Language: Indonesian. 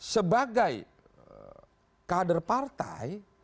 sebagai kader partai